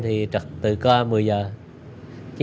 thì trật từ co một mươi h